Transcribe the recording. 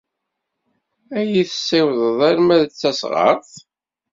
Ad iyi-tessiwḍeḍ arma d taɣsert?